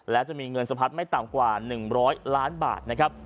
และจะมีเงินสะพัดไม่ต่ำกว่า๑๐๐ล้านบาทนะครับ